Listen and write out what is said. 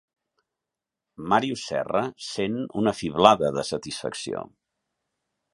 Màrius Serra sent una fiblada de satisfacció.